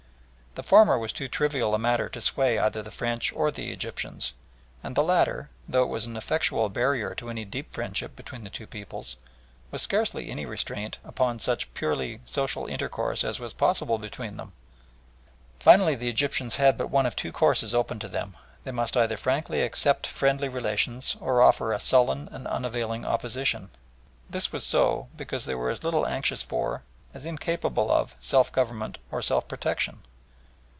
The former was too trivial a matter to sway either the French or the Egyptians, and the latter, though it was an effectual barrier to any deep friendship between the two peoples, was scarcely any restraint upon such purely social intercourse as was possible between them. Finally, the Egyptians had but one of two courses open to them they must either frankly accept friendly relations or offer a sullen and unavailing opposition. This was so because they were as little anxious for, as incapable of, self government, or self protection.